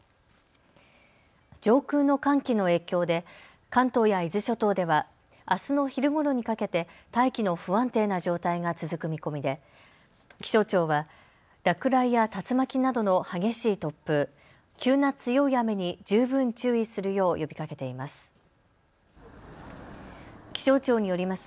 上空の寒気の影響で関東や伊豆諸島ではあすの昼ごろにかけて大気の不安定な状態が続く見込みで気象庁は落雷や竜巻などの激しい突風、急な強い雨に十分注意するよう呼びかけています。